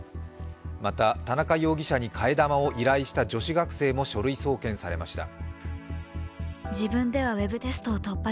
また、田中容疑者に替え玉を依頼した女子学生も書類送検されました。